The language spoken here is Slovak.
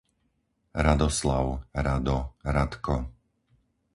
Radoslav, Rado, Radko